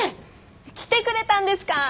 来てくれたんですかー。